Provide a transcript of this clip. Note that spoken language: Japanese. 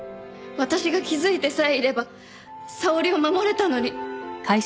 私が気づいてさえいれば沙織を守れたのに。